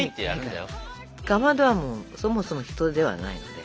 かまどはもうそもそも人ではないので。